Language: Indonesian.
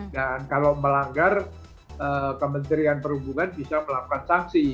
dan kalau melanggar kementerian perhubungan bisa melakukan sanksi